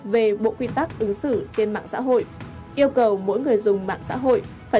về bộ quy tắc ứng xử trên mạng xã hội yêu cầu mỗi người dùng mạng xã hội phải